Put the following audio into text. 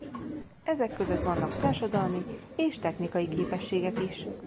Ezek között vannak társadalmi és technikai képességek is.